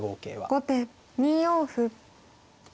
後手２四歩。